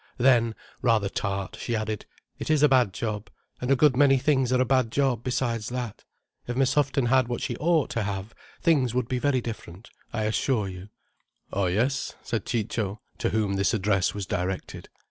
Then, rather tart, she added: "It is a bad job. And a good many things are a bad job, besides that. If Miss Houghton had what she ought to have, things would be very different, I assure you." "Oh yes," said Ciccio, to whom this address was directed.